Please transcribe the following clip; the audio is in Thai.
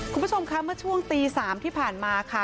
คุณผู้ชมคะเมื่อช่วงตี๓ที่ผ่านมาค่ะ